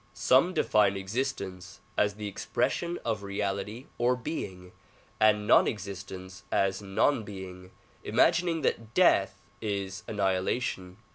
Some define existence as the expres sion of reality or being, and non existence as non being, imagining that death is annihilation.